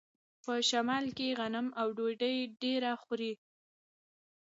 په شمال کې غنم او ډوډۍ ډیره خوري.